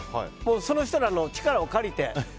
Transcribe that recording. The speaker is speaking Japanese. その人らの力を借りて。